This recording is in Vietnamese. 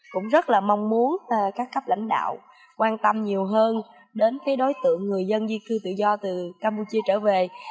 cũng rất là mong muốn các cấp lãnh đạo quan tâm nhiều hơn đến đối tượng người dân di cư tự do từ campuchia trở về